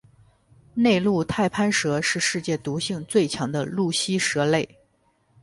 内陆太攀蛇是世界毒性最强的陆栖蛇类。